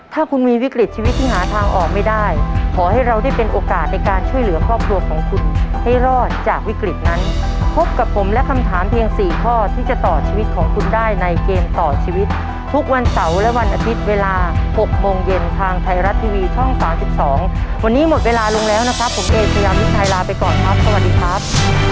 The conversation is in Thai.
วันนี้หมดเวลาลุงแล้วนะครับผมเอ๋พยายามพิชัยลาไปก่อนครับสวัสดีครับ